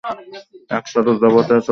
এর সদর দফতর চলন-সুর-সায়েনে অবস্থিত।